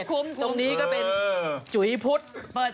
ตรงนี้ก็เป็นจุ๋ยพุทธ